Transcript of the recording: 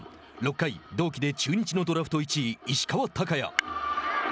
６回、同期で中日のドラフト１位石川昂弥。